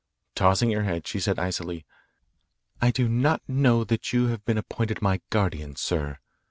Tossing her head, she said icily: "I do not know that you have been appointed my guardian, sir.